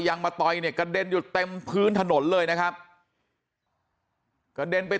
ยังมาต่อยเนี่ยกระเด็นอยู่เต็มพื้นถนนเลยนะครับกระเด็นไป